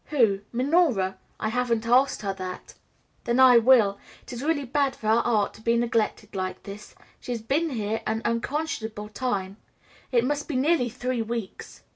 "Who? Minora? I haven't asked her that." "Then I will. It is really bad for her art to be neglected like this. She has been here an unconscionable time, it must be nearly three weeks."